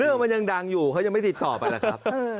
เรื่องมันยังดังอยู่เขายังไม่ติดต่อกันแหละครับ